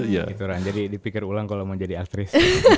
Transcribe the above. begitulah jadi dipikir ulang kalau mau jadi aktris